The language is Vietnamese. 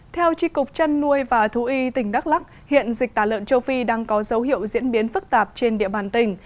theo tri cục trăn nuôi và thú y tỉnh đắk lắc hiện dịch tả lợn châu phi đang có dấu hiệu diễn biến phức tạp trên địa bàn tỉnh